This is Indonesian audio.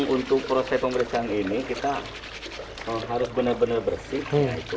untuk proses pemeriksaan ini kita harus benar benar bersih